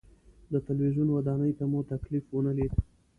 د تلویزیون ودانۍ ته مو تکلیف ونه لید.